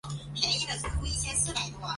他是由比光索的长男。